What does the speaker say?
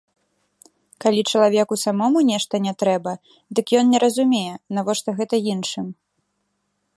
Калі чалавеку самому нешта не трэба, дык ён не разумее, навошта гэта іншым.